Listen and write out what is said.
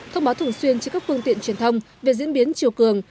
thông báo thường xuyên trên các phương tiện truyền thông về diễn biến chiều cường